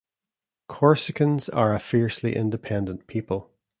Corsicans are a fiercely independent people.